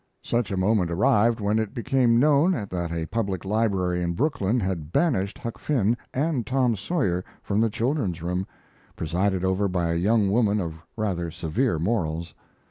Such a moment arrived when it became known that a public library in Brooklyn had banished Huck Finn and Tom Sawyer from the children's room, presided over by a young woman of rather severe morals.